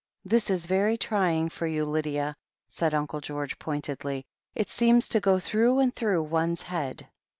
"This is very trying for you, Lydia," said Uncle George pointedly. "It seems to go through and through one's head."